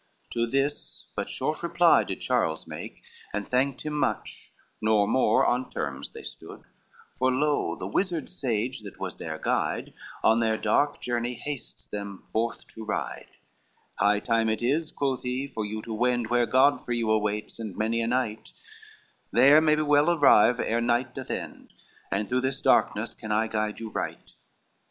To this but short reply did Charles make, And thanked him much, nor more on terms they stood: For lo, the wizard sage that was their guide On their dark journey hastes them forth to ride. LXXXV "High time it is," quoth he, "for you to wend Where Godfrey you awaits, and many a knight, There may we well arrive ere night doth end, And through this darkness can I guide you right."